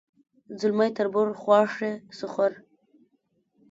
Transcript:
ځلمی تربور خواښې سخر